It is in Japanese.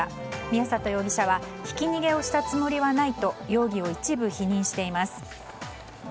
宮里容疑者はひき逃げをしたつもりはないと容疑を一部否認しています。